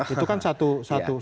itu kan satu framing